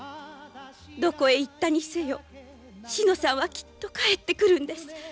どこへ行ったにせよ信乃さんはきっと帰ってくるんです。